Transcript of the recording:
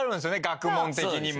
学問的にも。